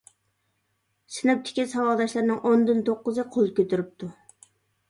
سىنىپتىكى ساۋاقداشلارنىڭ ئوندىن توققۇزى قول كۆتۈرۈپتۇ.